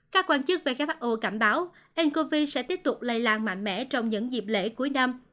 các quan chức who cảnh báo ncov sẽ tiếp tục lây lan mạnh mẽ trong những dịp lễ cuối năm